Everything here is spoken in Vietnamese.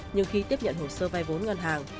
nhưng khi tiếp nhận hồ sơ vay vốn ngân hàng